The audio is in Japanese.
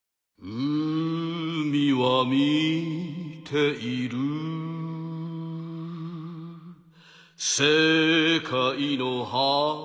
「海は見ている世界の始まりも」